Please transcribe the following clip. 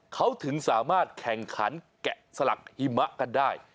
เขาถึงสามารถแข่งขันแกะสลักหิมะกันได้